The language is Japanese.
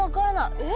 えっ？